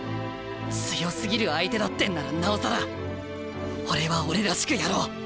強すぎる相手だってんならなおさら俺は俺らしくやろう。